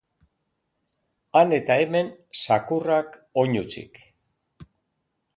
Han eta hemen, zakurrak oinutsik.